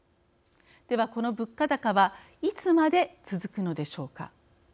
では、この物価高はいつまで続くのでしょうか。